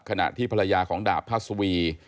ขณะที่ภรรยาของดาบพัศวี